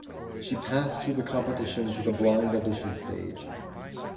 She passed through the competition to the Blind Audition stage.